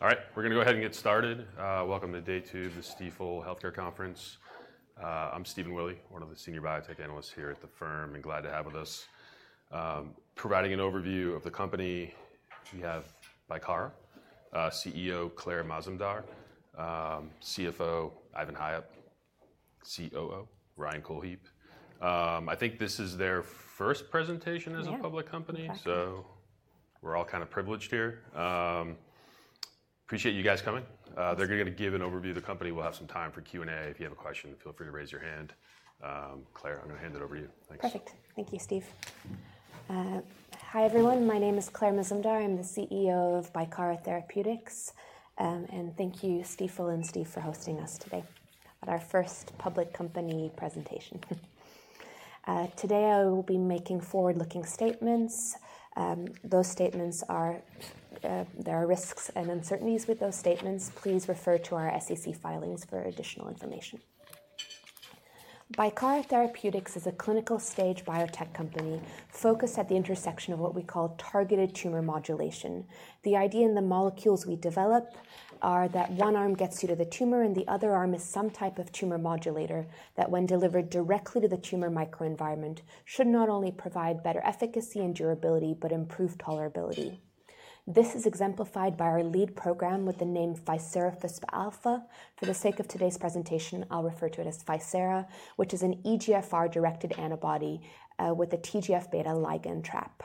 All right, we're going to go ahead and get started. Welcome to Day Two of the Stifel Healthcare Conference. I'm Stephen Willey, one of the senior biotech analysts here at the firm, and glad to have with us providing an overview of the company. We have Bicara, CEO Claire Mazumdar, CFO Ivan Hayap, COO Ryan Cohlhepp. I think this is their first presentation as a public company, so we're all kind of privileged here. Appreciate you guys coming. They're going to give an overview of the company. We'll have some time for Q&A. If you have a question, feel free to raise your hand. Claire, I'm going to hand it over to you. Perfect. Thank you, Steve. Hi, everyone. My name is Claire Mazumdar. I'm the CEO of Bicara Therapeutics. And thank you, Stifel and Steve, for hosting us today at our first public company presentation. Today, I will be making forward-looking statements. Those statements are there are risks and uncertainties with those statements. Please refer to our SEC filings for additional information. Bicara Therapeutics is a clinical stage biotech company focused at the intersection of what we call targeted tumor modulation. The idea in the molecules we develop are that one arm gets you to thee tumor, and the other arm is some type of tumor modulator that, when delivered directly to the tumor microenvironment, should not only provide better efficacy and durability, but improve tolerability. This is exemplified by our lead program with the name ficerafusp alfa. For the sake of today's presentation, I'll refer to it as ficerafusp alfa, which is an EGFR-directed antibody with a TGF-β ligand trap.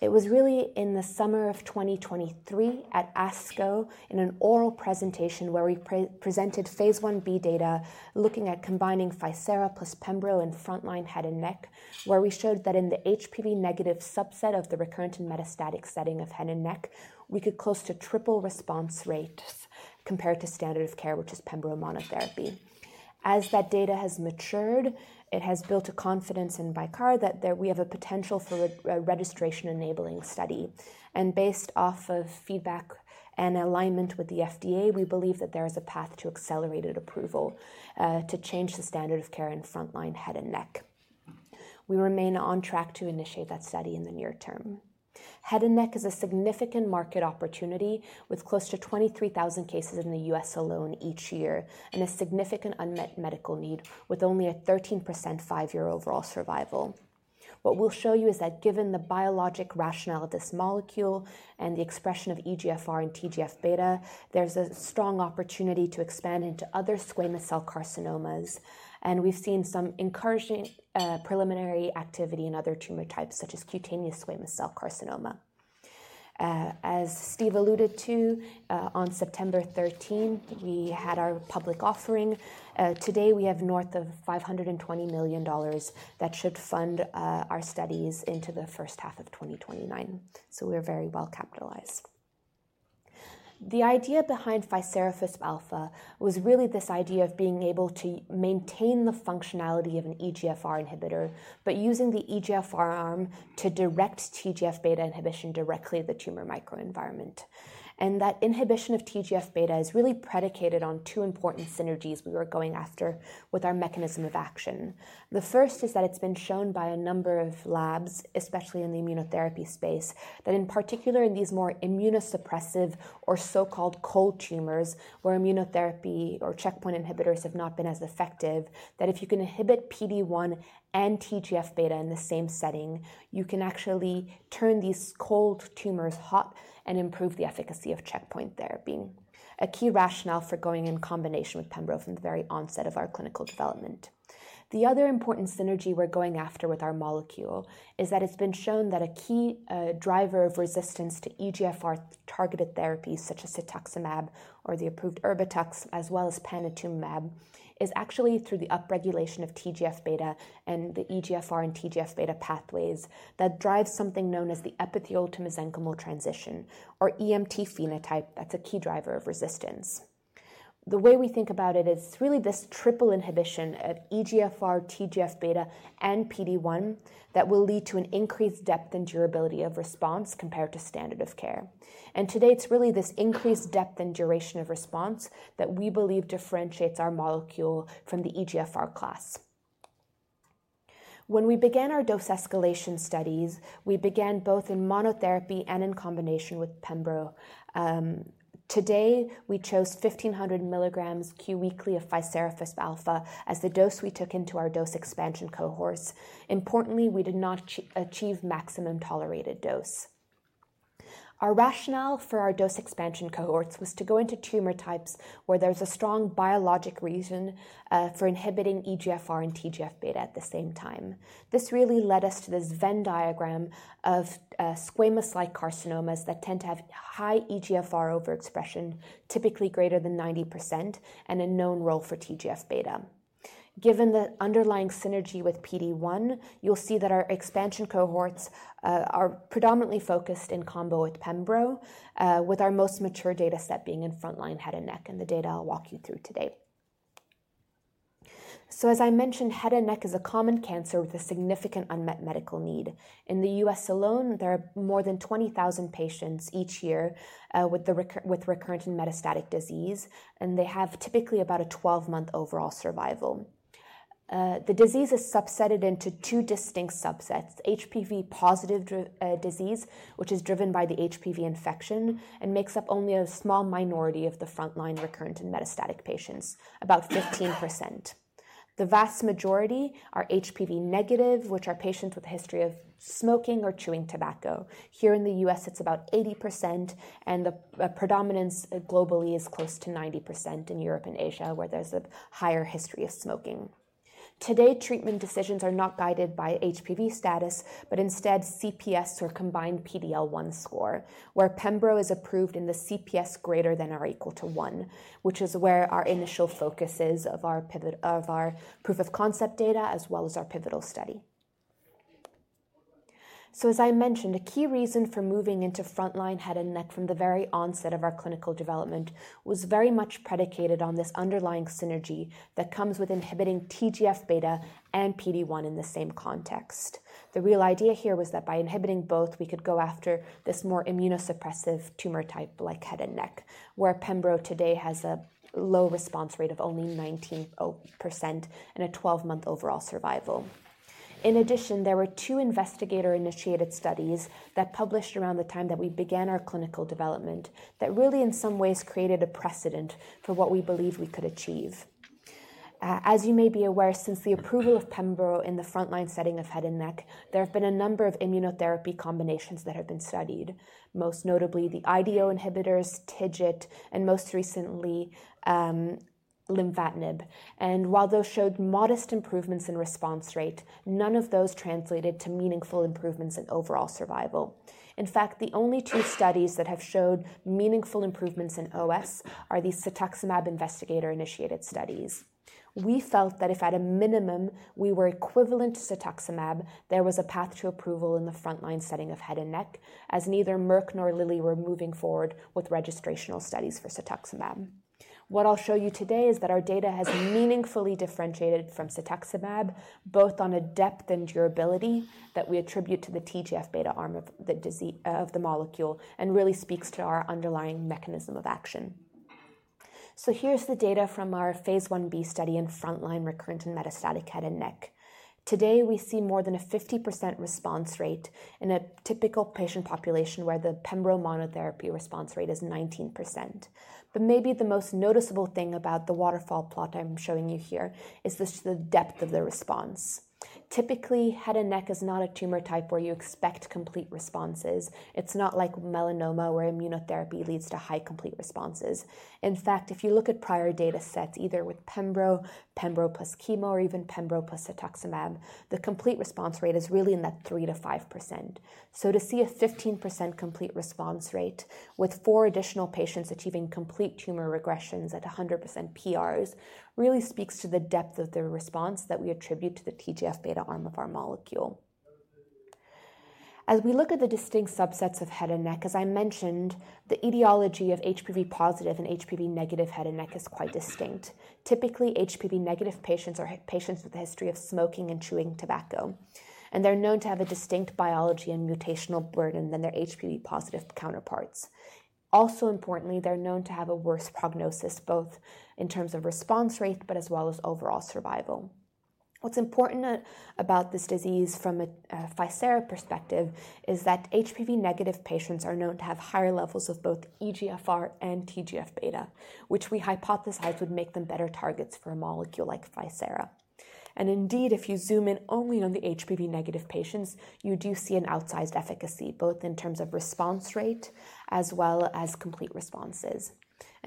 It was really in the summer of 2023 at ASCO in an oral presentation where we presented Phase IB data, looking at combining ficerafusp alfa plus Pembro in frontline head and neck, where we showed that in the HPV-negative subset of the recurrent and metastatic setting of head and neck, we could close to triple response rates compared to standard of care, which is Pembro monotherapy. As that data has matured, it has built a confidence in Bicara that we have a potential for a registration-enabling study. Based off of feedback and alignment with the FDA, we believe that there is a path to accelerated approval to change the standard of care in frontline head and neck. We remain on track to initiate that study in the near term. Head and neck is a significant market opportunity with close to 23,000 cases in the US alone each year and a significant unmet medical need with only a 13% five-year overall survival. What we'll show you is that, given the biologic rationale of this molecule and the expression of EGFR and TGF-β, there's a strong opportunity to expand into other squamous cell carcinomas, and we've seen some encouraging preliminary activity in other tumor types, such as cutaneous squamous cell carcinoma. As Steve alluded to, on September 13, we had our public offering. Today, we have north of $520 million that should fund our studies into the first half of 2029, so we're very well capitalized. The idea behind ficerafusp alfa was really this idea of being able to maintain the functionality of an EGFR inhibitor, but using the EGFR arm to direct TGF-β inhibition directly to the tumor microenvironment, and that inhibition of TGF-β is really predicated on two important synergies we were going after with our mechanism of action. The first is that it's been shown by a number of labs, especially in the immunotherapy space, that in particular in these more immunosuppressive or so-called cold tumors, where immunotherapy or checkpoint inhibitors have not been as effective, that if you can inhibit PD-1 and TGF-β in the same setting, you can actually turn these cold tumors hot and improve the efficacy of checkpoint therapy, a key rationale for going in combination with pembro from the very onset of our clinical development. The other important synergy we're going after with our molecule is that it's been shown that a key driver of resistance to EGFR-targeted therapies, such as cetuximab or the approved Erbitux, as well as panitumumab, is actually through the upregulation of TGF-β and the EGFR and TGF-β pathways that drive something known as the epithelial-to-mesenchymal transition or EMT phenotype. That's a key driver of resistance. The way we think about it is really this triple inhibition of EGFR, TGF-β, and PD-1 that will lead to an increased depth and durability of response compared to standard of care. Today, it's really this increased depth and duration of response that we believe differentiates our molecule from the EGFR class. When we began our dose escalation studies, we began both in monotherapy and in combination with Pembro. Today, we chose 1,500 milligrams q weekly of ficerafusp alfa as the dose we took into our dose expansion cohorts. Importantly, we did not achieve maximum tolerated dose. Our rationale for our dose expansion cohorts was to go into tumor types where there's a strong biologic reason for inhibiting EGFR and TGF-β at the same time. This really led us to this Venn diagram of squamous-like carcinomas that tend to have high EGFR overexpression, typically greater than 90%, and a known role for TGF-β. Given the underlying synergy with PD-1, you'll see that our expansion cohorts are predominantly focused in combo with Pembro, with our most mature data set being in frontline, head and neck, and the data I'll walk you through today. So, as I mentioned, head and neck is a common cancer with a significant unmet medical need. In the U.S. alone, there are more than 20,000 patients each year with recurrent and metastatic disease, and they have typically about a 12-month overall survival. The disease is subsetted into two distinct subsets: HPV-positive disease, which is driven by the HPV infection, and makes up only a small minority of the frontline recurrent and metastatic patients, about 15%. The vast majority are HPV-negative, which are patients with a history of smoking or chewing tobacco. Here in the U.S., it's about 80%, and the predominance globally is close to 90% in Europe and Asia, where there's a higher history of smoking. Today, treatment decisions are not guided by HPV status, but instead CPS or combined PD-L1 score, where Pembro is approved in the CPS greater than or equal to 1, which is where our initial focus is of our proof of concept data as well as our pivotal study. As I mentioned, a key reason for moving into frontline, head and neck from the very onset of our clinical development was very much predicated on this underlying synergy that comes with inhibiting TGF-β and PD-1 in the same context. The real idea here was that by inhibiting both, we could go after this more immunosuppressive tumor type like head and neck, where Pembro today has a low response rate of only 19% and a 12-month overall survival. In addition, there were two investigator-initiated studies that published around the time that we began our clinical development that really, in some ways, created a precedent for what we believed we could achieve. As you may be aware, since the approval of Pembro in the frontline setting of head and neck, there have been a number of immunotherapy combinations that have been studied, most notably the IDO inhibitors, TIGIT, and most recently lenvatinib. And while those showed modest improvements in response rate, none of those translated to meaningful improvements in overall survival. In fact, the only two studies that have showed meaningful improvements in OS are the cetuximab investigator-initiated studies. We felt that if at a minimum we were equivalent to cetuximab, there was a path to approval in the frontline setting of head and neck, as neither Merck nor Lilly were moving forward with registrational studies for cetuximab. What I'll show you today is that our data has meaningfully differentiated from cetuximab, both on a depth and durability that we attribute to the TGF-β arm of the molecule and really speaks to our underlying mechanism of action. So here's the data from our phase IB study in frontline recurrent and metastatic head and neck. Today, we see more than a 50% response rate in a typical patient population where the Pembro monotherapy response rate is 19%. But maybe the most noticeable thing about the waterfall plot I'm showing you here is the depth of the response. Typically, head and neck is not a tumor type where you expect complete responses. It's not like melanoma where immunotherapy leads to high complete responses. In fact, if you look at prior data sets, either with Pembro, Pembro plus chemo, or even Pembro plus cetuximab, the complete response rate is really in that 3%-5%. So to see a 15% complete response rate with four additional patients achieving complete tumor regressions at 100% PRs really speaks to the depth of the response that we attribute to the TGF-β arm of our molecule. As we look at the distinct subsets of head and neck, as I mentioned, the etiology of HPV-positive and HPV-negative head and neck is quite distinct. Typically, HPV-negative patients are patients with a history of smoking and chewing tobacco, and they're known to have a distinct biology and mutational burden than their HPV-positive counterparts. Also importantly, they're known to have a worse prognosis, both in terms of response rate but as well as overall survival. What's important about this disease from a Bicara perspective is that HPV-negative patients are known to have higher levels of both EGFR and TGF-β, which we hypothesize would make them better targets for a molecule like Bicara. Indeed, if you zoom in only on the HPV-negative patients, you do see an outsized efficacy, both in terms of response rate as well as complete responses.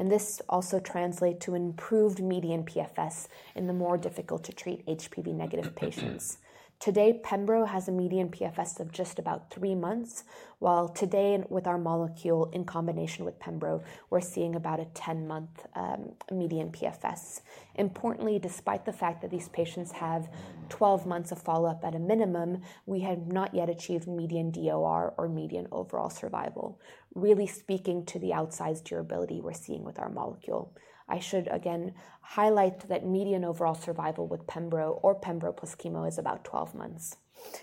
This also translates to improved median PFS in the more difficult-to-treat HPV-negative patients. Today, Pembro has a median PFS of just about three months, while today, with our molecule in combination with Pembro, we're seeing about a 10-month median PFS. Importantly, despite the fact that these patients have 12 months of follow-up at a minimum, we have not yet achieved median DOR or median overall survival, really speaking to the outsized durability we're seeing with our molecule. I should again highlight that median overall survival with Pembro or Pembro plus chemo is about 12 months.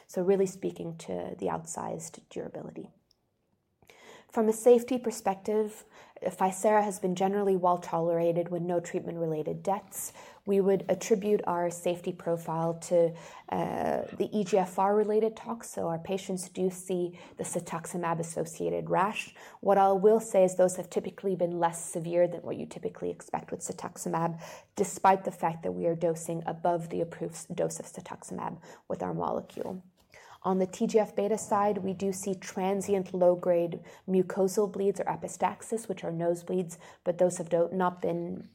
So really speaking to the outsized durability. From a safety perspective, ficerafusp has been generally well tolerated with no treatment-related deaths. We would attribute our safety profile to the EGFR-related toxicity, so our patients do see the cetuximab-associated rash. What I will say is those have typically been less severe than what you typically expect with cetuximab, despite the fact that we are dosing above the approved dose of cetuximab with our molecule. On the TGF-β side, we do see transient low-grade mucosal bleeds or epistaxis, which are nosebleeds, but those have not been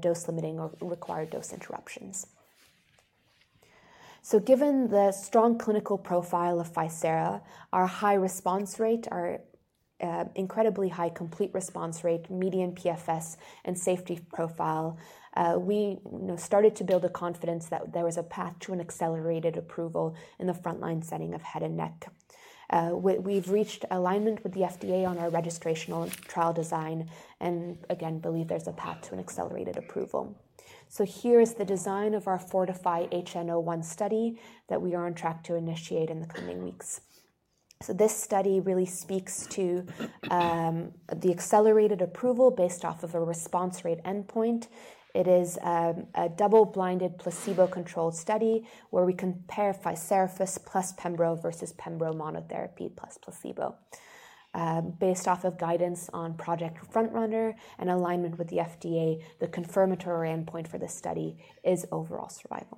dose-limiting or required dose interruptions. Given the strong clinical profile of ficerafusp, our high response rate, our incredibly high complete response rate, median PFS, and safety profile, we started to build a confidence that there was a path to an accelerated approval in the frontline setting of head and neck. We've reached alignment with the FDA on our registrational trial design and again believe there's a path to an accelerated approval. Here is the design of our FORTIFY-HN01 study that we are on track to initiate in the coming weeks. This study really speaks to the accelerated approval based off of a response rate endpoint. It is a double-blind placebo-controlled study where we compare ficerafusp plus Pembro versus Pembro monotherapy plus placebo. Based off of guidance on Project FrontRunner and alignment with the FDA, the confirmatory endpoint for this study is overall survival.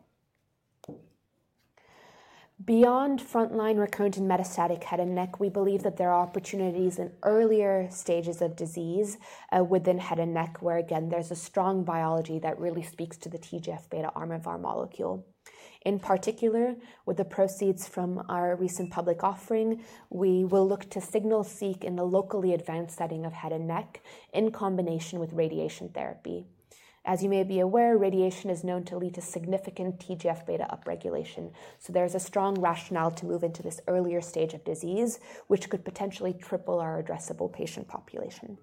Beyond frontline recurrent and metastatic head and neck, we believe that there are opportunities in earlier stages of disease within head and neck where, again, there's a strong biology that really speaks to the TGF-β arm of our molecule. In particular, with the proceeds from our recent public offering, we will look to signal-seek in the locally advanced setting of head and neck in combination with radiation therapy. As you may be aware, radiation is known to lead to significant TGF-β upregulation, so there is a strong rationale to move into this earlier stage of disease, which could potentially triple our addressable patient population.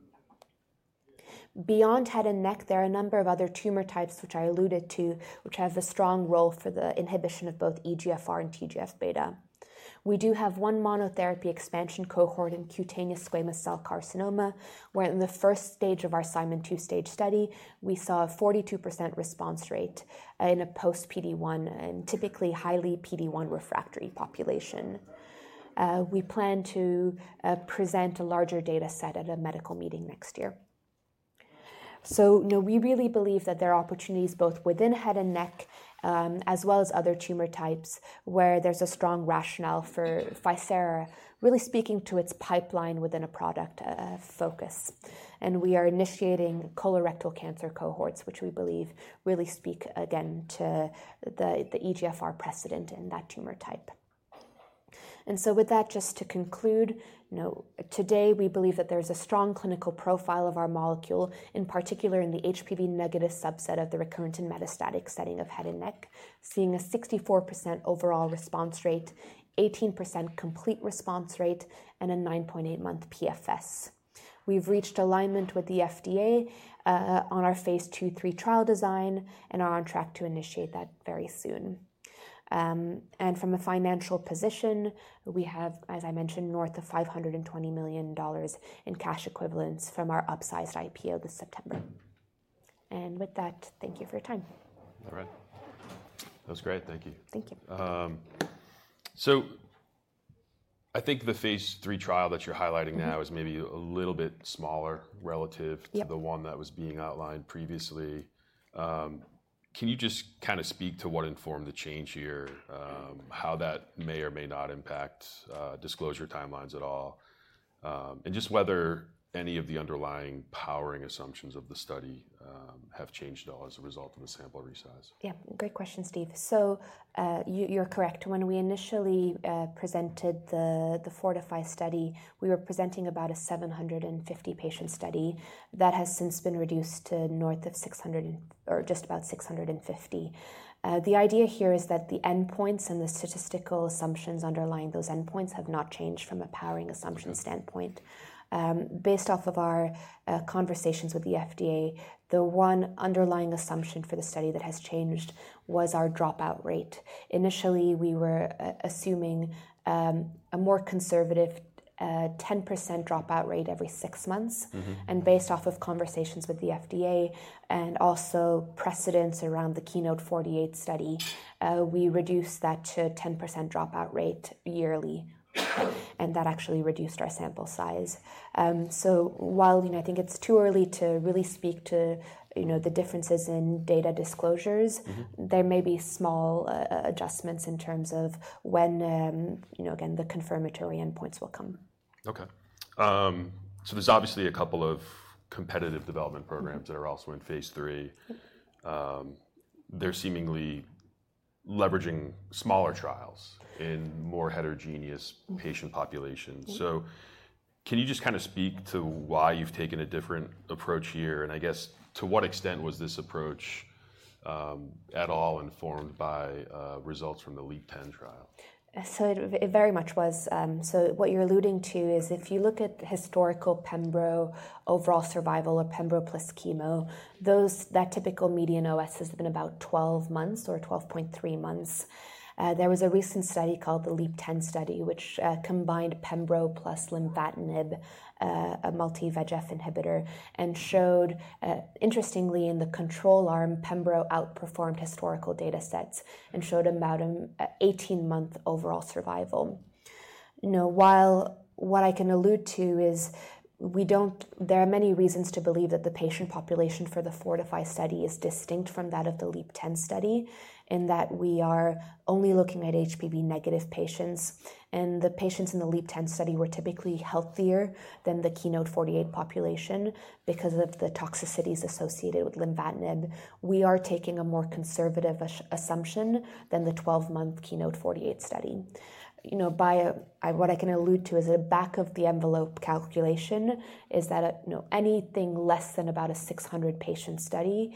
Beyond head and neck, there are a number of other tumor types, which I alluded to, which have a strong role for the inhibition of both EGFR and TGF-β. We do have one monotherapy expansion cohort in cutaneous squamous cell carcinoma where, in the first stage of our Simon two-stage study, we saw a 42% response rate in a post-PD-1 and typically highly PD-1 refractory population. We plan to present a larger data set at a medical meeting next year, so we really believe that there are opportunities both within head and neck as well as other tumor types where there's a strong rationale for ficerafusp, really speaking to its pipeline within a product focus, and we are initiating colorectal cancer cohorts, which we believe really speak again to the EGFR precedent in that tumor type. And so with that, just to conclude, today we believe that there's a strong clinical profile of our molecule, in particular in the HPV-negative subset of the recurrent and metastatic setting of head and neck, seeing a 64% overall response rate, 18% complete response rate, and a 9.8-month PFS. We've reached alignment with the FDA on our Phase I, III trial design and are on track to initiate that very soon. And from a financial position, we have, as I mentioned, north of $520 million in cash equivalents from our upsized IPO this September. And with that, thank you for your time. All right. That was great. Thank you. Thank you. So I think the Phase III trial that you're highlighting now is maybe a little bit smaller relative to the one that was being outlined previously. Can you just kind of speak to what informed the change here, how that may or may not impact disclosure timelines at all, and just whether any of the underlying powering assumptions of the study have changed at all as a result of the sample resize? Yeah. Great question, Steve. So you're correct. When we initially presented the Fortify study, we were presenting about a 750-patient study that has since been reduced to north of 600 or just about 650. The idea here is that the endpoints and the statistical assumptions underlying those endpoints have not changed from a powering assumption standpoint. Based off of our conversations with the FDA, the one underlying assumption for the study that has changed was our dropout rate. Initially, we were assuming a more conservative 10% dropout rate every six months. And based off of conversations with the FDA and also precedents around the KEYNOTE-048 study, we reduced that to a 10% dropout rate yearly, and that actually reduced our sample size. So while I think it's too early to really speak to the differences in data disclosures, there may be small adjustments in terms of when, again, the confirmatory endpoints will come. Okay. So there's obviously a couple of competitive development programs that are also in Phase III. They're seemingly leveraging smaller trials in more heterogeneous patient populations. So can you just kind of speak to why you've taken a different approach here? And I guess, to what extent was this approach at all informed by results from the LEAP-10 trial? So it very much was. What you're alluding to is if you look at historical Pembro overall survival or Pembro plus chemo, that typical median OS has been about 12 months or 12.3 months. There was a recent study called the LEAP-10 study, which combined Pembro plus lenvatinib, a multi-VEGF inhibitor, and showed, interestingly, in the control arm, Pembro outperformed historical data sets and showed about an 18-month overall survival. While what I can allude to is there are many reasons to believe that the patient population for the Fortify study is distinct from that of the LEAP-10 study in that we are only looking at HPV-negative patients, and the patients in the LEAP-10 study were typically healthier than the KEYNOTE-048 48 population because of the toxicities associated with lenvatinib. We are taking a more conservative assumption than the 12-month KEYNOTE-48 study. What I can allude to is a back-of-the-envelope calculation is that anything less than about a 600-patient study,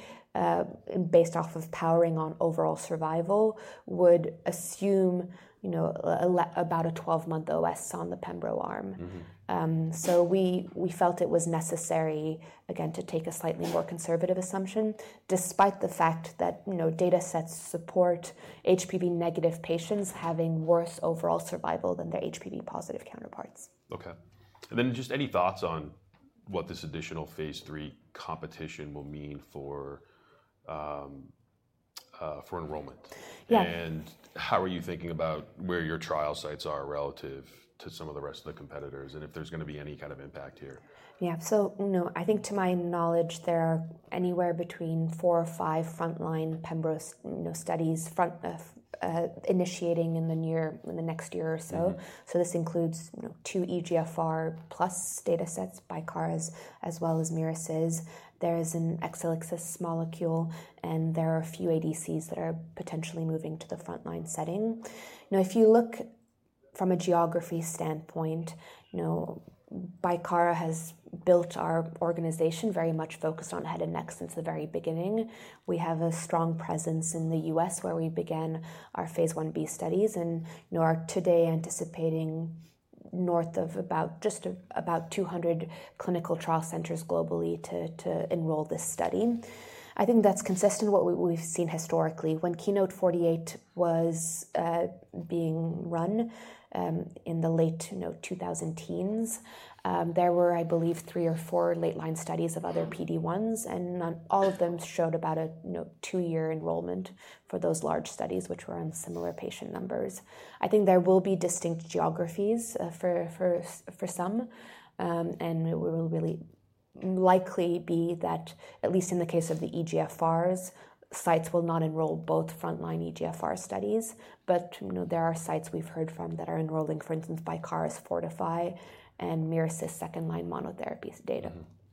based off of powering on overall survival, would assume about a 12-month OS on the Pembro arm. So we felt it was necessary, again, to take a slightly more conservative assumption, despite the fact that data sets support HPV-negative patients having worse overall survival than their HPV-positive counterparts. Okay, and then just any thoughts on what this additional Phase III competition will mean for enrollment? Yes. How are you thinking about where your trial sites are relative to some of the rest of the competitors and if there's going to be any kind of impact here? Yeah. So I think, to my knowledge, there are anywhere between four or five frontline Pembro studies initiating in the next year or so. So this includes two EGFR plus datasets by Bicara's as well as Merus's. There is an Exelixis molecule, and there are a few ADCs that are potentially moving to the frontline setting. If you look from a geography standpoint, Bicara has built our organization very much focused on head and neck since the very beginning. We have a strong presence in the U.S. where we began our Phase IB studies, and we are today anticipating north of just about 200 clinical trial centers globally to enroll this study. I think that's consistent with what we've seen historically. When KEYNOTE-048 was being run in the late 2010s, there were, I believe, three or four late-line studies of other PD-1s, and all of them showed about a two-year enrollment for those large studies, which were on similar patient numbers. I think there will be distinct geographies for some, and it will really likely be that, at least in the case of the EGFRs, sites will not enroll both frontline EGFR studies, but there are sites we've heard from that are enrolling, for instance, Bicara's Fortify and Merus's second-line monotherapy data.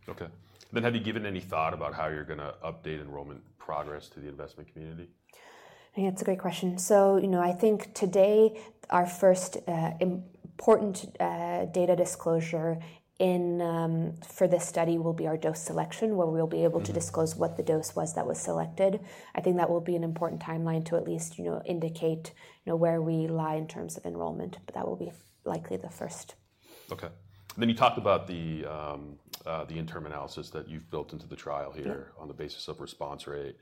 Okay. And then have you given any thought about how you're going to update enrollment progress to the investment community? That's a great question. So I think today our first important data disclosure for this study will be our dose selection, where we'll be able to disclose what the dose was that was selected. I think that will be an important timeline to at least indicate where we lie in terms of enrollment, but that will be likely the first. Okay. And then you talked about the interim analysis that you've built into the trial here on the basis of response rate.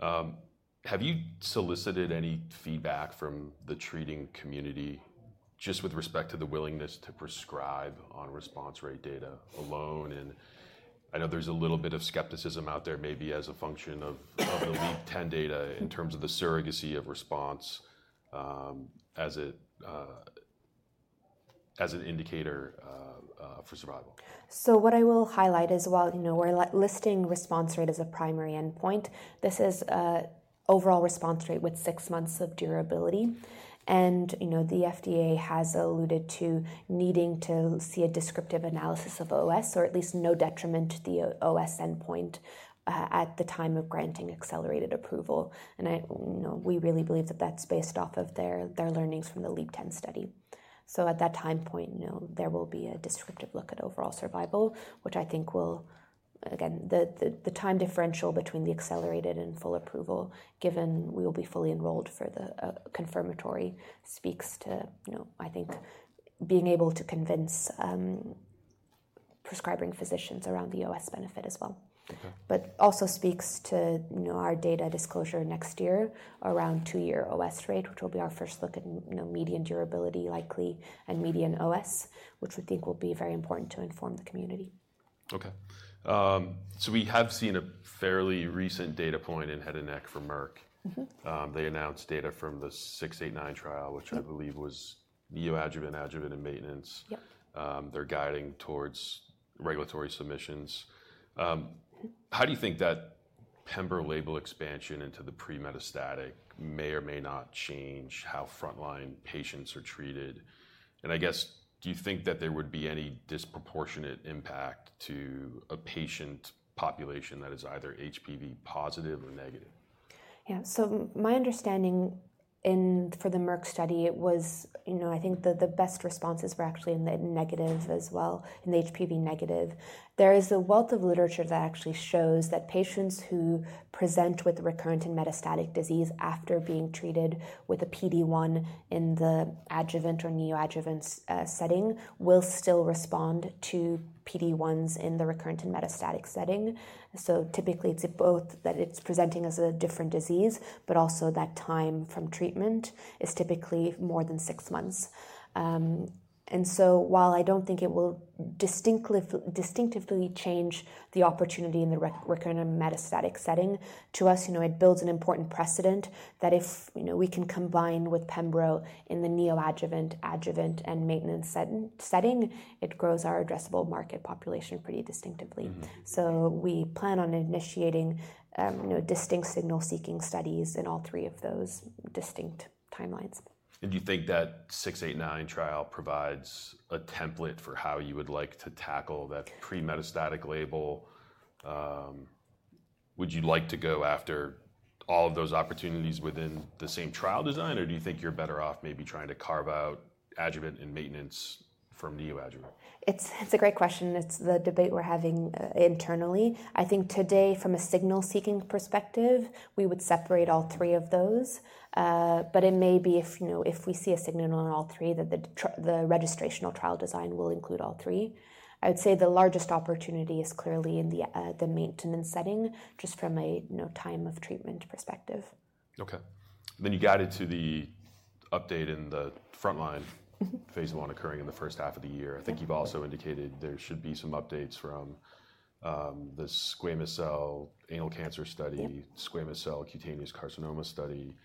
Have you solicited any feedback from the treating community just with respect to the willingness to prescribe on response rate data alone? And I know there's a little bit of skepticism out there maybe as a function of the LEAP-10 data in terms of the surrogacy of response as an indicator for survival. So what I will highlight is while we're listing response rate as a primary endpoint, this is overall response rate with six months of durability. The FDA has alluded to needing to see a descriptive analysis of OS or at least no detriment to the OS endpoint at the time of granting accelerated approval. We really believe that that's based off of their learnings from the LEAP-10 study. At that time point, there will be a descriptive look at overall survival, which I think will, again, the time differential between the accelerated and full approval, given we will be fully enrolled for the confirmatory, speaks to, I think, being able to convince prescribing physicians around the OS benefit as well. But also speaks to our data disclosure next year around two-year OS rate, which will be our first look at median durability likely and median OS, which we think will be very important to inform the community. Okay, so we have seen a fairly recent data point in head and neck from Merck. They announced data from the KEYNOTE-689 trial, which I believe was neoadjuvant, adjuvant, and maintenance. They're guiding towards regulatory submissions. How do you think that Pembro label expansion into the pre-metastatic may or may not change how frontline patients are treated? And I guess, do you think that there would be any disproportionate impact to a patient population that is either HPV positive or negative? Yeah. So my understanding for the Merck study, I think the best responses were actually in the negative as well, in the HPV negative. There is a wealth of literature that actually shows that patients who present with recurrent and metastatic disease after being treated with a PD-1 in the adjuvant or neoadjuvant setting will still respond to PD-1s in the recurrent and metastatic setting. So typically, it's both that it's presenting as a different disease, but also that time from treatment is typically more than six months. And so while I don't think it will distinctively change the opportunity in the recurrent and metastatic setting, to us, it builds an important precedent that if we can combine with Pembro in the neoadjuvant, adjuvant, and maintenance setting, it grows our addressable market population pretty distinctively. So we plan on initiating distinct signal-seeking studies in all three of those distinct timelines. And do you think that 689 trial provides a template for how you would like to tackle that pre-metastatic label? Would you like to go after all of those opportunities within the same trial design, or do you think you're better off maybe trying to carve out adjuvant and maintenance from neoadjuvant? It's a great question. It's the debate we're having internally. I think today, from a signal-seeking perspective, we would separate all three of those. But it may be if we see a signal on all three that the registrational trial design will include all three. I would say the largest opportunity is clearly in the maintenance setting just from a time of treatment perspective. Okay. Then you got into the update in the frontline Phase I occurring in the first half of the year. I think you've also indicated there should be some updates from the anal squamous cell carcinoma study, cutaneous squamous cell carcinoma study.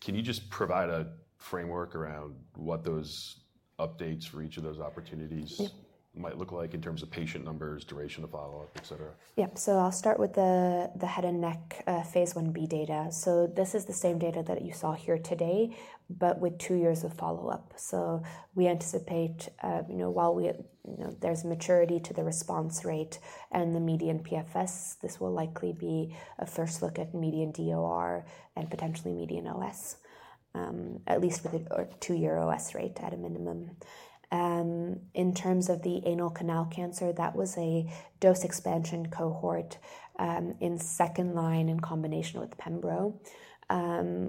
Can you just provide a framework around what those updates for each of those opportunities might look like in terms of patient numbers, duration of follow-up, etc.? Yep. So I'll start with the head and neck Phase Ib data. So this is the same data that you saw here today, but with two years of follow-up. So we anticipate while there's maturity to the response rate and the median PFS, this will likely be a first look at median DOR and potentially median OS, at least with a two-year OS rate at a minimum. In terms of the anal canal cancer, that was a dose expansion cohort in second line in combination with Pembro,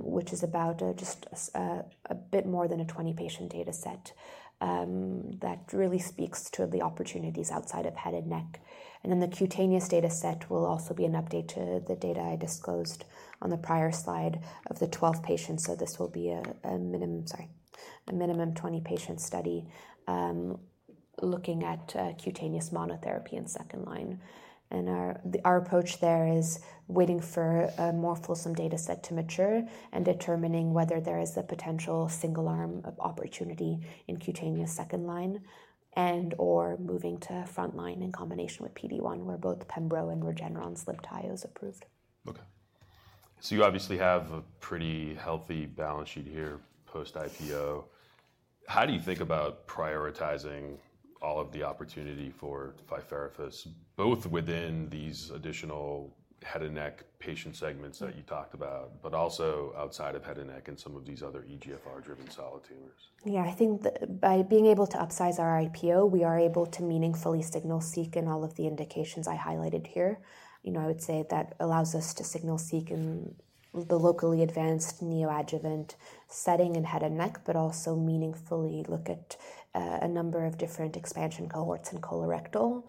which is about just a bit more than a 20-patient data set. That really speaks to the opportunities outside of head and neck. And then the cutaneous data set will also be an update to the data I disclosed on the prior slide of the 12 patients. So this will be a minimum 20-patient study looking at cutaneous monotherapy in second line. Our approach there is waiting for a more fulsome data set to mature and determining whether there is a potential single-arm opportunity in cutaneous second line and/or moving to frontline in combination with PD-1, where both Pembro and Regeneron Libtayo is approved. Okay. So you obviously have a pretty healthy balance sheet here post-IPO. How do you think about prioritizing all of the opportunity for ficerafusp alfa, both within these additional head and neck patient segments that you talked about, but also outside of head and neck and some of these other EGFR-driven solid tumors? Yeah. I think by being able to upsize our IPO, we are able to meaningfully signal-seek in all of the indications I highlighted here. I would say that allows us to signal-seek in the locally advanced neoadjuvant setting and head and neck, but also meaningfully look at a number of different expansion cohorts in colorectal.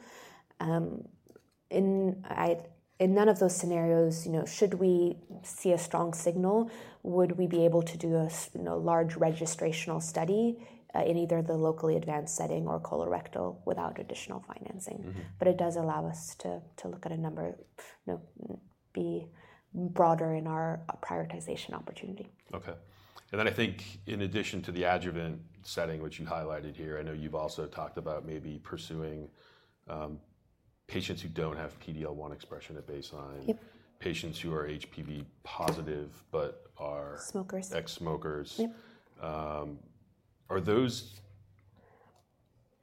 In none of those scenarios, should we see a strong signal, would we be able to do a large registrational study in either the locally advanced setting or colorectal without additional financing? But it does allow us to look at a number, be broader in our prioritization opportunity. Okay. And then I think in addition to the adjuvant setting, which you highlighted here, I know you've also talked about maybe pursuing patients who don't have PD-1 expression at baseline, patients who are HPV positive, but are. Smokers. Ex-smokers.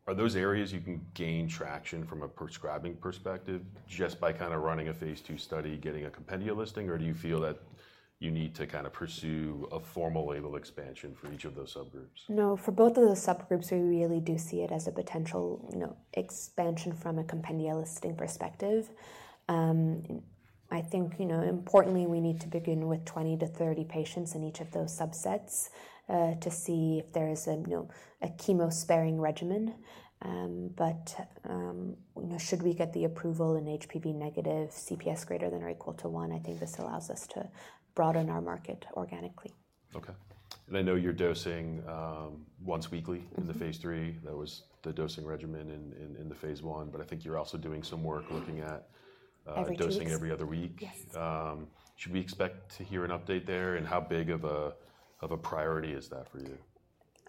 Are those areas you can gain traction from a prescribing perspective just by kind of running a Phase II study, getting a compendia listing, or do you feel that you need to kind of pursue a formal label expansion for each of those subgroups? No. For both of those subgroups, we really do see it as a potential expansion from a compendia listing perspective. I think, importantly, we need to begin with 20 to 30 patients in each of those subsets to see if there is a chemo sparing regimen, but should we get the approval in HPV negative, CPS greater than or equal to 1, I think this allows us to broaden our market organically. Okay. And I know you're dosing once weekly in the Phase III. That was the dosing regimen in the Phase I but I think you're also doing some work looking at dosing every other week. Should we expect to hear an update there, and how big of a priority is that for you?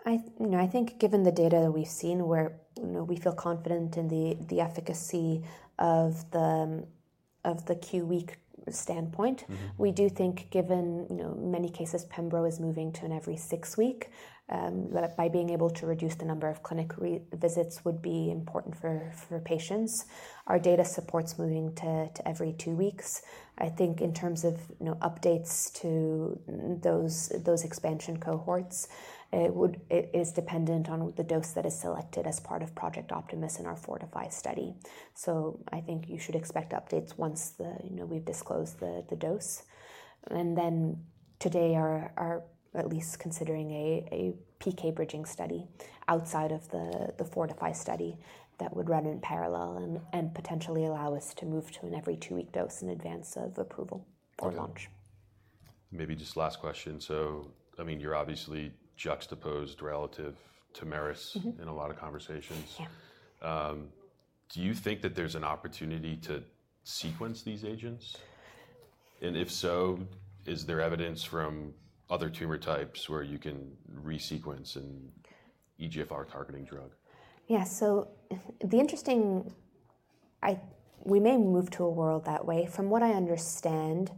I think given the data that we've seen, we feel confident in the efficacy of the Q-week standpoint. We do think, given many cases, Pembro is moving to an every six-week, by being able to reduce the number of clinic visits would be important for patients. Our data supports moving to every two weeks. I think in terms of updates to those expansion cohorts, it is dependent on the dose that is selected as part of Project Optimus in our 45 study. So I think you should expect updates once we've disclosed the dose. And then today, we are at least considering a PK bridging study outside of the 045 study that would run in parallel and potentially allow us to move to an every two-week dose in advance of approval for launch. Maybe just last question. So I mean, you're obviously juxtaposed relative to Merus in a lot of conversations. Do you think that there's an opportunity to sequence these agents? And if so, is there evidence from other tumor types where you can resequence an EGFR-targeting drug? Yeah. So, interestingly, we may move to a world that way. From what I understand,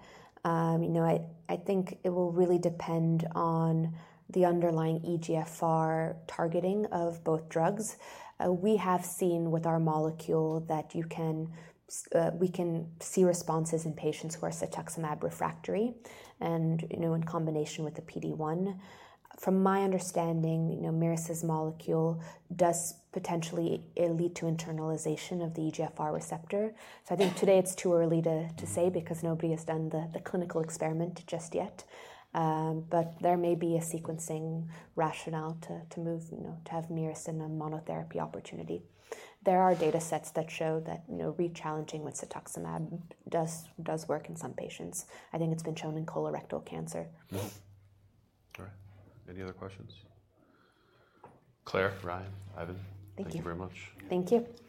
I think it will really depend on the underlying EGFR targeting of both drugs. We have seen with our molecule that we can see responses in patients who are cetuximab refractory and in combination with the PD-1. From my understanding, Merus's molecule does potentially lead to internalization of the EGFR receptor. So I think today it's too early to say because nobody has done the clinical experiment just yet. But there may be a sequencing rationale to move to have Merus in a monotherapy opportunity. There are data sets that show that re-challenging with cetuximab does work in some patients. I think it's been shown in colorectal cancer. All right. Any other questions? Claire, Ryan, Ivan, thank you very much. Thank you.